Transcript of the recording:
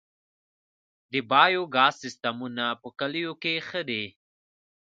د بایو ګاز سیستمونه په کلیو کې ښه دي